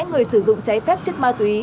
người sử dụng trái phép chất ma túy